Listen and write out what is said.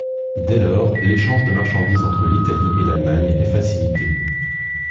Dès lors, l'échange de marchandises entre l'Italie et l'Allemagne est facilité.